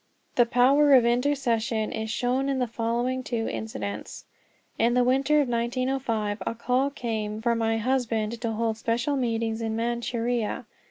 The power of intercession is shown in the following two incidents: In the winter of 1905 a call came for my husband to hold special meetings in Manchuria.